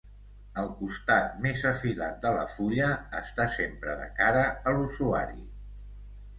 El costat més afilat de la fulla està sempre de cara a l'usuari.